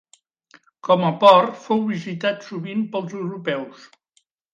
Com a port fou visitat sovint pels europeus.